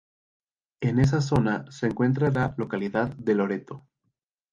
En esa zona se encuentra la localidad de Loreto.